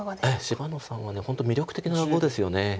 芝野さんは本当魅力的な碁ですよね。